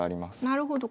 なるほど。